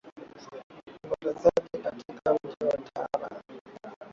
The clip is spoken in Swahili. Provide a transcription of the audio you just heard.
waombolezaji waliojitokeza katika mji wa tara